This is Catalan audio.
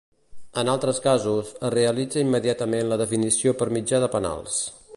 En altres casos, es realitza immediatament la definició per mitjà de penals.